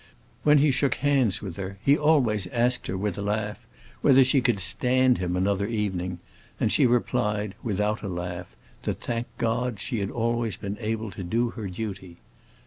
When he shook hands with her he always asked her with a laugh whether she could "stand him" another evening, and she replied, without a laugh, that thank God she had always been able to do her duty.